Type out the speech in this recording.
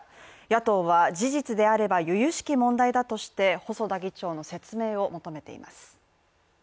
野党は事実であれば由々しき問題だとして細田議長の説明を求めています。